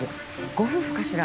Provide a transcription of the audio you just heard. ご夫婦かしら？